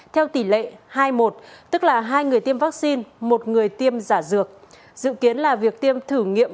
theo tỷ lệ hai một tức là hai người tiêm vaccine một người tiêm giả dược dự kiến là việc tiêm thử nghiệm